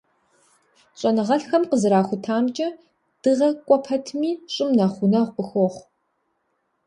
ЩӀэныгъэлӀхэм къызэрахутамкӀэ, Дыгъэр кӀуэ пэтми, ЩӀым нэхъ гъунэгъу къыхуохъу.